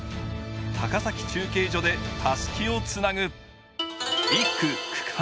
高崎中継所でたすきをつなぐ！